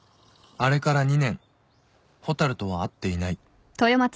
［あれから２年蛍とは会っていない］